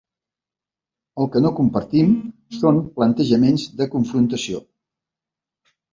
El que no compartim són plantejaments de confrontació.